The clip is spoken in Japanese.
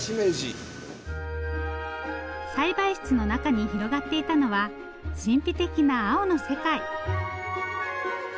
栽培室の中に広がっていたのは神秘的な青の世界。